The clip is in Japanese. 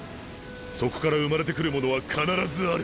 そこから生まれてくるものは必ずある！！